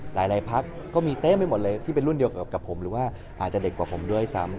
หลายพักก็มีเต็มไปหมดเลยที่เป็นรุ่นเดียวกับผมหรือว่าอาจจะเด็กกว่าผมด้วยซ้ำ